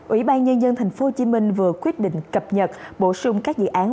ủy ban nhân dân tp hcm vừa quyết định cập nhật bổ sung các dự án